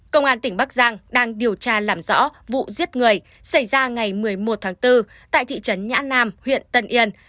công an tỉnh bắc giang đang điều tra làm rõ vụ giết người xảy ra ngày một mươi một tháng bốn tại thị trấn nhã nam huyện tân yên